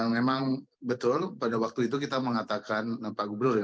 memang betul pada waktu itu kita mengatakan pak gubernur ya